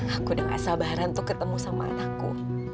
aku udah gak sabar untuk ketemu sama anakku